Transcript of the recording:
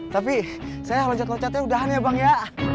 tapi saya loncat loncatnya udahan ya bang ya